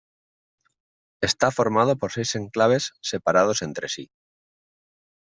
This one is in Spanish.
Está formado por seis enclaves separados entre sí.